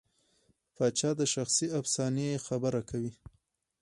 پاچا د شخصي افسانې خبره کوي.